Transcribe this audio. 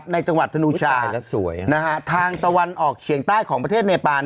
ในจังหวัดทนูชาทางตะวันออกเฉียงใต้ของประเทศเนปาน